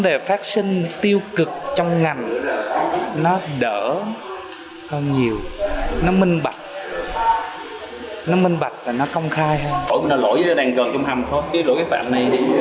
lỗi là lỗi đang còn trong hầm thôi lỗi vi phạm này giúp cho mình di chuyển đường hầm an toàn